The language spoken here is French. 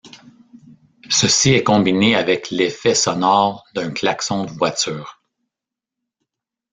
Ceci est combiné avec l'effet sonore d'un klaxon de voiture.